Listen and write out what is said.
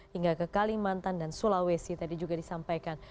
hingga ke kalimantan dan sulawesi tadi juga disampaikan